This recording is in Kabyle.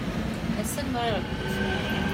Ass-a nmerreɣ deg usu.